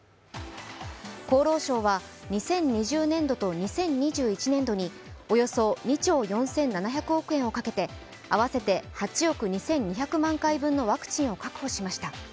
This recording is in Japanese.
厚労省は２０２０年度と２０２１年度におよそ２兆４７００億円をかけて合わせて８億２２００万回分のワクチンを確保しました。